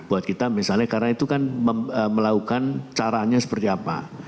jadi buat kita misalnya karena itu kan melakukan caranya seperti itu